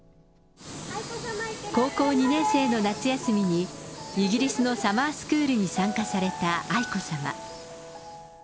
高校２年生の夏休みに、イギリスのサマースクールに参加された愛子さま。